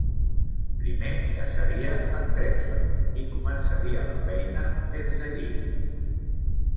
Primer, caçaria en Gregson i començaria la feina des d'allí.